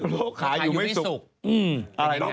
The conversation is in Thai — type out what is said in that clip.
โรคขาอยู่ไม่สุก